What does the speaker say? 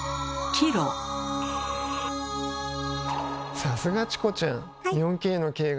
さすがチコちゃん！